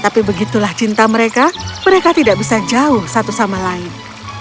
tapi begitulah cinta mereka mereka tidak bisa jauh satu sama lain